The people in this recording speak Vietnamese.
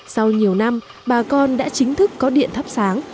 sau nhiều năm bà con đã chính thức có điện thắp sáng